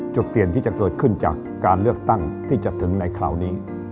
จุดเปลี่ยนที่จะเกิดขึ้นจากการเลือกตั้งที่จะถึงในคราวนี้